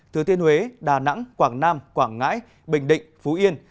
thừa thiên huế đà nẵng quảng nam quảng ngãi bình định phú yên